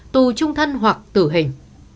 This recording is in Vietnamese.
tù trung thân hoặc tử hình